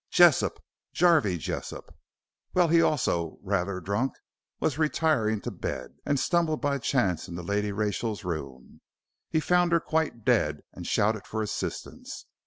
"Jessop Jarvey Jessop. Well, he also, rather drunk, was retiring to bed and stumbled by chance into Lady Rachel's room. He found her quite dead and shouted for assistance.